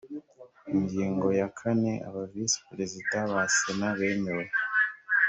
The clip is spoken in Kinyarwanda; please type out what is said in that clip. ingingo ya kane aba visi perezida ba sena bemewe